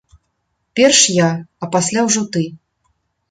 Перш я, а пасля ўжо ты.